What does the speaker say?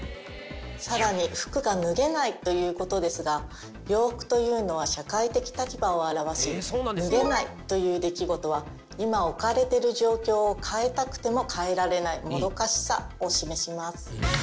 さらに服が脱げないということですが。を表し脱げないという出来事は今置かれてる状況を変えたくても変えられないもどかしさを示します。